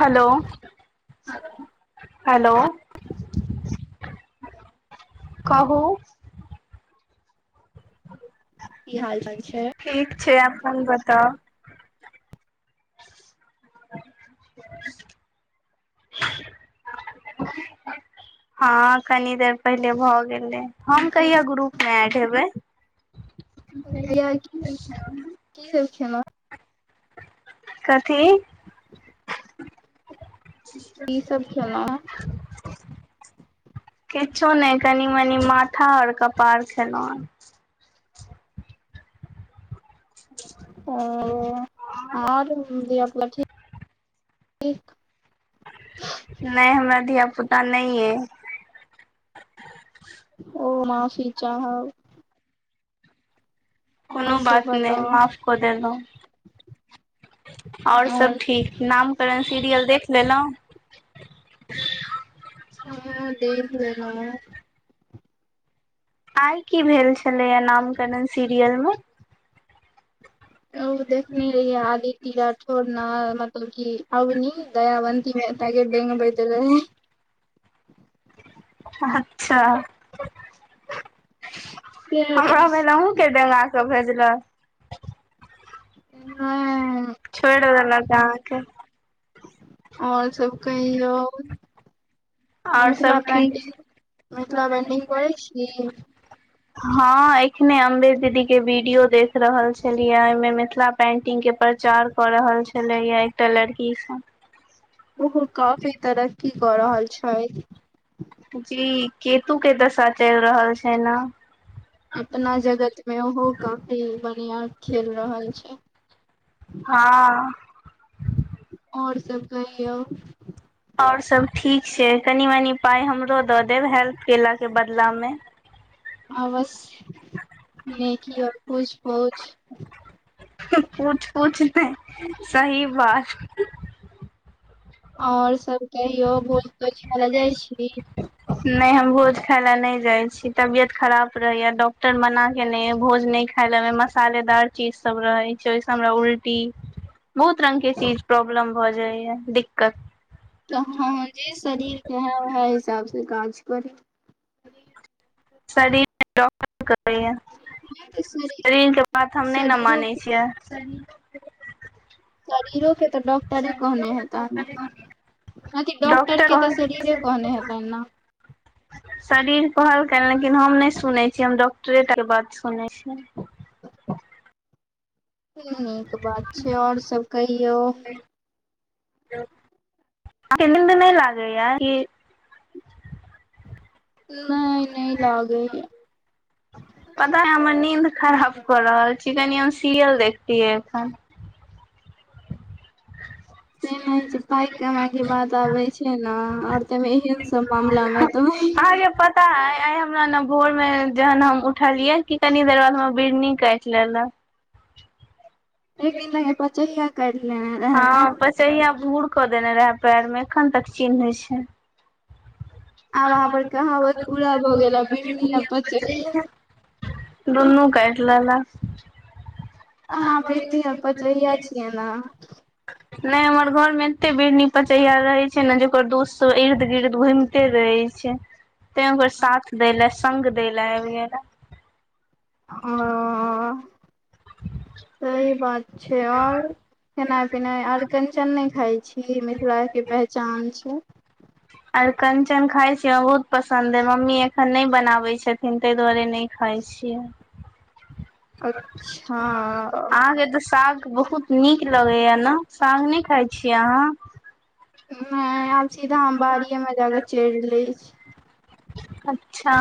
Hello! Hello! कहू की हाल-चाल छै? ठीक छै, अपन बताउ? [inaudible] हँ, कनी देर पहिले भऽ गेलै। हम की कहिया ग्रुपमे एड हेबै? कहिया [unintelligible] की सभ खेलहुॅं? कथी? [inaudible] [unintelligible] की सब खेलहुँ किछो नहि, कनी-मनी माथा और कपार खेलहुॅंहे [unintelligible] ओआर धियापुता ठीक? नहि, हमरा धियापुता नहि एइ। ओ, माफी चाहब! आओर कोनो सब बात नहि, बताउ माफ कऽ देलहुॅं। आओर सब ठीक, नामकरण सीरियल देखि लेलहुँ? हँ, देख लेलहुॅं। आइ की भेल छलैया नामकरण सीरियलमे? ओ देखने रहियै आदिती राठौर ने मतलब की अवनी दयाबंतीमे एकटा के डेंगबैत रहैए अच्छा, से हमरा भेल अहूॅं फेर डेंगा कऽ भेजलक। छोड़ि नहि देलक अहाँकेॅं आओर सब कहियौ? आओर मिथिला सब ठीक पेंटिंग मिथिला पेंटिंग छै। करै छी हँ एखने अम्बेद दीदी के वीडियो देख रहल छलियै ओहिमे मिथिला पेंटिंग के प्रचार कऽ रहल छलैया एकटा लड़की सब ओहो काफी तरक्की कऽ रहल छैय जी केतु के दशा चलि रहल छैय नऽ अपना जगत मे ओहो काफी बढ़िया खेल रहल छै हँ आओर सब कहियौ आओर सब ठीक छै कनि मनी पाइ हमरो दऽ देब हेल्प केलाके बदलामे आबशय नेकी आओर पुछ पूछ पूछ पूछ नहि सही बात ओर सब कहियो भोज तोज काय लयऽ जाइ छी नहि हम भोज खााय लए नहि जाइ छी तबियत खराब रहैया डॉक्टर मना केे नहि भोज नहि खायलेमे मसालेदार चीज सब रहै छै ओहिस हमरा उल्टी बहुत रंग के चीज प्रॉब्लम भऽ जाइ य दिक्कत तऽ हँ हँ जे शरीर केहइ उएह हिसाबसँ काज करी हँ शरीर [unintelligible] ये शरीर के बात हम नहि नऽ शरीरो मानै छियै शरीरो के तऽ डॉक्टरे कहने हेताह नऽ किया कि डॉक्टर के तऽ शरीरे कहने हेतनि नऽ शरीर कहलक लेकिन हम नहि सुनै छीयै हम डॉक्टरे टा के बात सुनै छिये नीक बात छै आओर सब कहियौ आहाँक नीन्द नहि लागै य कि नई नई लगायइय पता य हमर नींद खराब कऽ रहल छी कनि हम सियियल देखतियै अखन [unintelligible] से नहि हो छै पाइ कमाइ के बात आबै छै नऽ आओर त एहन सब मामला मे तऽ त [unintelligible] हमरा न भोर में जहन हम उठलियै कि कनी देर बाद हमरा बिड़नी काटि लेलेक एक [unintelligible] पचैया कर लेना रह ने। तहिया आब भूर क देने रहे पैर मे एखन तक चिन्ह एछै अहाँ पर कहावत पूरा भऽ आ गेल आ बिढ़नी आ पचहिया [unintelligible] दुनू काइट लेलक अहाँ बिरनी आ पचहिया छियै नऽ ने हमर घर मे एते बिड़नी पचैया रहे छै ने जेकर दोस्त सब इर्द गिर्द घुमिते रहे है तैं ओकर साथ दै ले संग दै ले आबि गेल ओ सही बात छै आओर खेनाइ पिनाइ आर अरकंचन नहि खाइ छी मिथिलाके पहचान छै आर कंचन खाय छी हम बहुत पसंन्द हे मम्मी एखन नहि बनावे छथिन ताहि दुआरे नऽ खाइ छियै अच्छा अहाँके तऽ साग बहुत नीक लगे या नऽ साग न खाय छीिय अहाँ नहि आब सीधा हम बाड़िये मे जाके चैर लै छी अच्छा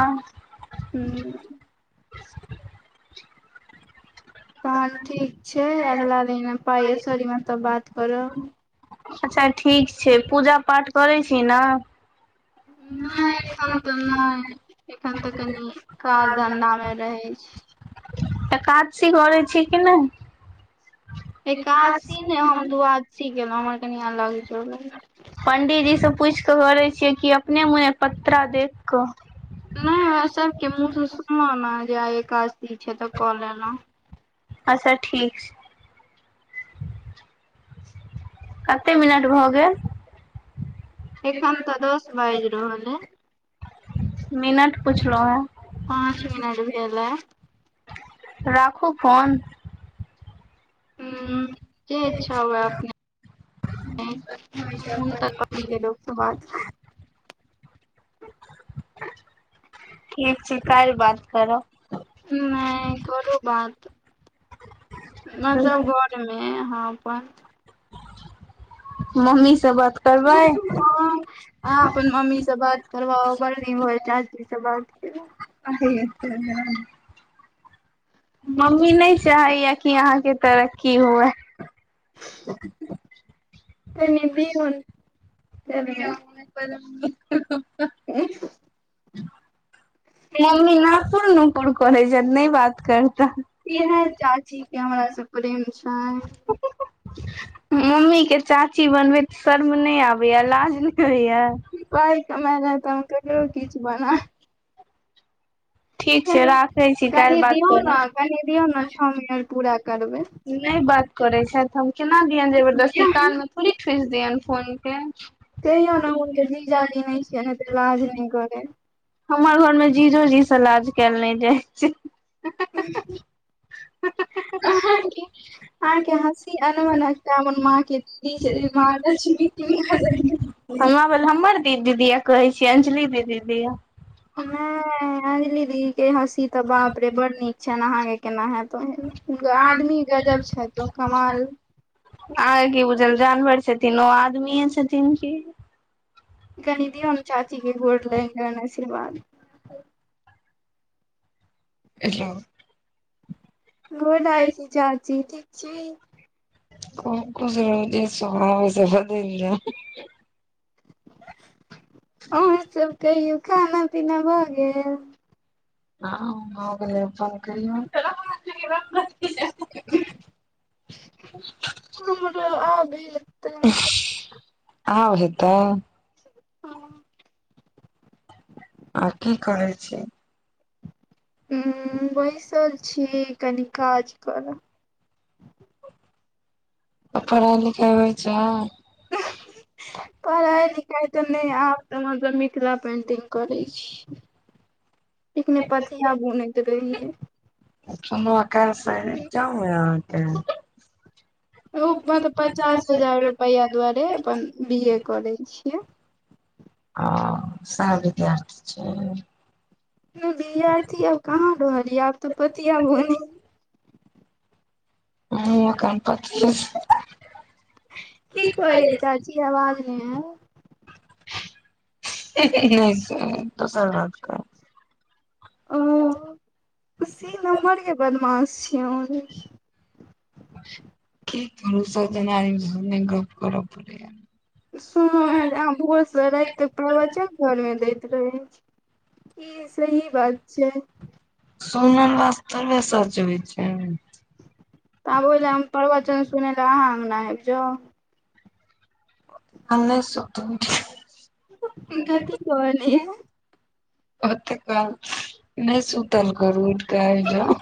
हू तहन ठीक छै अगिला दिनमे पाइेश्वरीमे त बात करब अच्छा ठीक छै पूजा पाठ करैत छी नऽ नहि क कर नहि एखन तऽ कनि काज धंधा मऽ रहै छै एकादशी करे छै कि नहि एकादशी ने हम दआादशी गेलेलहुं हमर कनि अलग जोड़ अछि। पंडीजी से पूछि के करे छियै क अपने मने पत्रा देख क नहि हम सभके मुँह से सुनलहुँ ने जे आइ एकादसी छै तऽ कऽ लेलहुँ अच्छा ठीक छै कते मिनट भऽ गेल एखन तऽ दस बाजि रहल अइ मिनट पुछलो हैँ पाँच मिनट भेल ए राखू फोन ह की अच्छा हुआ अपने तऽ पी लोक बाद ठीक छै कल्हि बात करऽ नहि करू बात मतलब घर इने हँ अपन मम्मी से बात करबै अहाँ अपन मम्मी से बात करबाउ बढ़ी होइ चाची से बात केला अेत [inaudible] मम्मी नहि चाहैया कि अहाँके तरक्की हुए एमे भीरो नै [unintelligible] [inaudible] मम्मी नपुर नुपुर कॉलेज नहि बात करता क हमरा सँ प्रेम छै [unintelligible] मम्मी के चाची बनबे त शर्म नहि आबैया लाज नहि होइया [unintelligible] नहि किछ बना। ठीक छै कनि राखै छी काल्हि कनि बात दियौ करू ने कनि दियौ ने छओ मिनट पूरा करबै नहि बात करै छथि हम केना दियनि जबरदस्ती कान मे थोड़ी ठुसि दियनि फोनक के कहियौ ने ह के जीजाजी नहि छै ने त लाज नहि करे हमर घरमे जीजो जीसँ लाज कयल नहि जाइ छै अहाँ के अहाँ के हँसी अनमन हम माँ के दीदी जेना लागय छै [unintelligible] हमरा भेल हमर दी दीदि य कहै छी अंजली दीदी दिया अंजली दी के हँसी तऽ बाप रे बड़ नीक छनि अहाँ के केना हैत तऽ हुनक आदमी गजब छथि ओ कमाल अहाँ के की बुझल जानवर छथिन ओ आदमीए छथिन की कनि दियोन चाची के गोर लगलेबन आशीर्वाद ‌ [inaudible] गोर लागय छी चाची ठीक छी खूब खुश रहहु छै स्वभावसँ बद जा अहिं सब कहियौ खाना पीना भऽ गेल आ भगेल अपनल कहियो मतलब आबी [unintelligible] आब हैतो हँ आ की करय छी हु बैसल छी कनी काज करब पढ़ाइ लिखाइ होइ छै पढ़ाइ लिखाइ तऽ नहि आ ऽ हमसभ मिथिला पेंटिंग करै छी एखने पथीया बुनईत रहीये होइ यऽ अहाँकेँ ओ मतलब पचास हजार रुपैआ दुआारे अपन बी ए करे छियै ओ सैह विद्यार्थी छी नहि विद्यार्थी आब कहाँ रहल यै आब तऽ पतिया बुनै [unintelligible] की कहलियै चाची आवाज नहि आयल [unintelligible] [unintelligible] दोसर घर के उ सी नम्बर केँ बदमास छी आँहु लेकिन [unintelligible] गप करब पड़ैया सुनलौ है अहाँ भोर सँ रात तक प्रबचन घर मे दैत रहे छै ई सही बात छै सोनर वास [unintelligible] होइ छै। तऽ आब ओहि लए हम प्रवचन सुनै लए अहाँ अंगना आबि जाउ नहि सुत उठी कऽ कथी कहलिये ओतेक काल नहि सुतल करू उठ कऽ आबि जाउ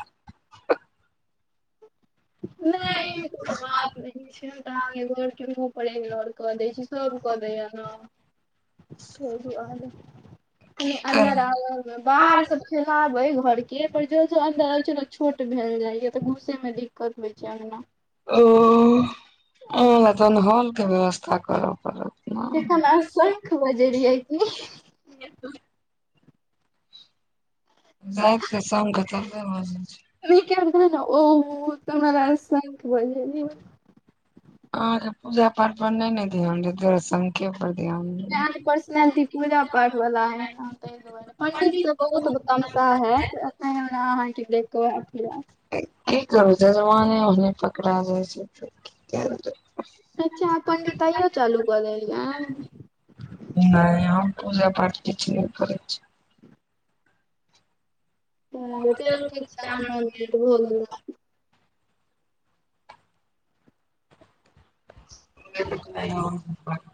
नहिमे कोइ बात नहि छै तगे। पर इगनोर कऽ दै छी सब क दैय हं तहि दुआरे कनी की अन्दर करब आवल बाहर सब खेलबे घर केँ पर जो जो अन्दर आ छै ने छोट भेल जाय या तऽ घूसे मे दि [unintelligible] अंगना ओ ओइ लऽ तहन हॉल केँ व्यवस्था करऽ पड़त नऽ हम आई संख बजेलिये की राति केँ संख थोरबे बजइ छै [unintelligible] अहाँ केँ पूजा पाठ पर नइ नऽ ध्यान देतै तहि दुआरे संख पर ध्यान नइ अहाँकेँ पर्सनलिटी पूजा पाठ वाला हइ नऽ तहि दुआरे पण्डित तऽ बहुत तमशा हैत अखैन हमरा अहाँकेँ देख केँ ओहा [unintelligible] कल बज [unintelligible] ओने पकड़ा द छै। अच्छा अहाँ पंडितैयो चालू कऽ देलियैन नहि हम पूजा पाठ किछ नहि करै छी चलू ठीक छै अहूँ मऽ नो निनट भऽ गेल [inaudible]